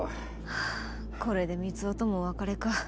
はあこれで光雄ともお別れか。